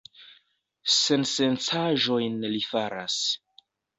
Sensencaĵojn li faras!